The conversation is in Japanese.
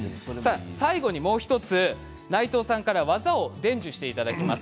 最後にもう１つ内藤さんから技を伝授していただきます。